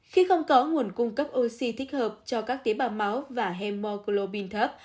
khi không có nguồn cung cấp oxy thích hợp cho các tế bào máu và hemoglobin thấp